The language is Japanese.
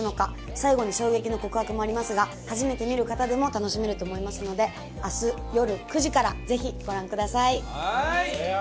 最後に衝撃の告白もありますが初めて見る方でも楽しめると思いますので明日よる９時からぜひご覧ください。